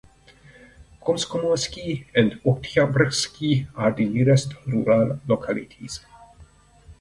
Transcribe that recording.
Komsomolsky and Oktyabrsky are the nearest rural localities.